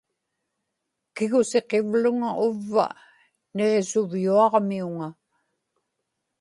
kigusiqivluŋa uvva niġisuvyuaġmiuŋa